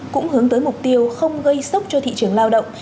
cũng hướng tới mục tiêu không gây sốc cho thị trường lao động